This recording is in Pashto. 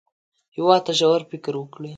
هېواد ته ژور فکر ورکړئ